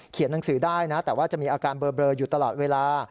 หนังสือได้นะแต่ว่าจะมีอาการเบลออยู่ตลอดเวลา